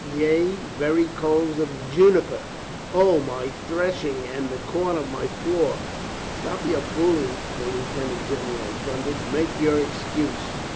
Yea, very coals of juniper! O, my threshing and the corn of my floor!" "Stop your fooling," the lieutenant general thun dered. "Make your excuse!"